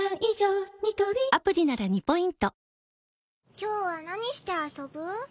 今日は何して遊ぶ？